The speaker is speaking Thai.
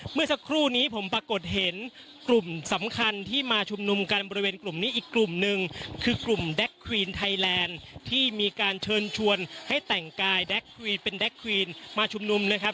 เมื่อสักครู่นี้ผมปรากฏเห็นกลุ่มสำคัญที่มาชุมนุมกันบริเวณกลุ่มนี้อีกกลุ่มหนึ่งคือกลุ่มแก๊คควีนไทยแลนด์ที่มีการเชิญชวนให้แต่งกายเป็นแก๊คควีนมาชุมนุมนะครับ